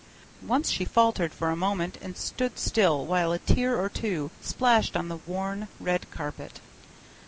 Once she faltered for a minute and stood still while a tear or two splashed on the worn red carpet.